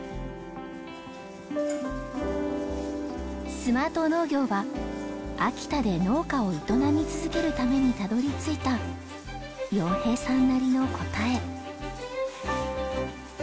スマート農業は秋田で農家を営み続けるためにたどり着いた洋平さんなりの答え。